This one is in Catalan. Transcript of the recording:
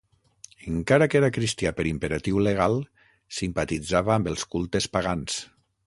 Encara que era cristià per imperatiu legal, simpatitzava amb els cultes pagans.